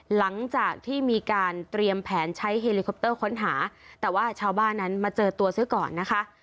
หลังจากที่มีการเตรียมแผนใช้เฮลิคอปเตอร์ค้นหาแต่ว่าชาวบ้านนั้นมาเจอตัวซะก่อนนะคะ